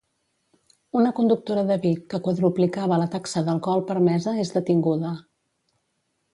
Una conductora de Vic que quadruplicava la taxa d'alcohol permesa és detinguda.